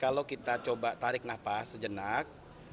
kalau kita coba tarik nafas sejenak